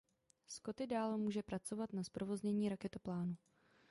Scotty dále může pracovat na zprovoznění raketoplánu.